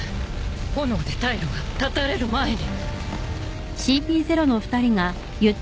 炎で退路が絶たれる前に。